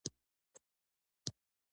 پیسې به پخپله ګټم.